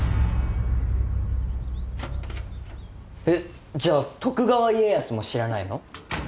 えっじゃあ徳川家康も知らないの？